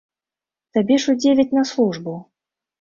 Табе ж у дзевяць на службу.